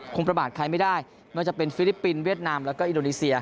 ประมาทใครไม่ได้ไม่ว่าจะเป็นฟิลิปปินส์เวียดนามแล้วก็อินโดนีเซีย